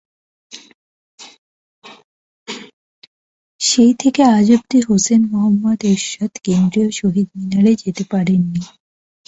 সেই থেকে আজ অবধি হুসেইন মুহম্মদ এরশাদ কেন্দ্রীয় শহীদ মিনারে যেতে পারেননি।